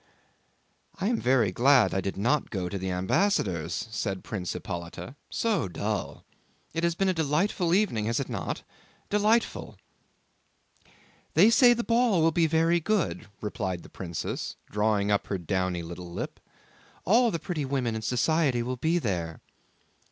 "I am very glad I did not go to the ambassador's," said Prince Hippolyte "—so dull—. It has been a delightful evening, has it not? Delightful!" "They say the ball will be very good," replied the princess, drawing up her downy little lip. "All the pretty women in society will be there."